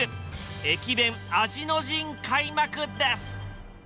駅弁味の陣開幕です！